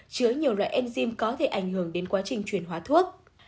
chứa nhiều loại enzyme có thể ảnh hưởng đến quá trình truyền hóa thuốc